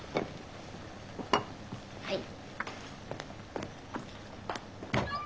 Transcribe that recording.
はい。